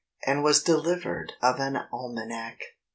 And was delivered of an Almanac!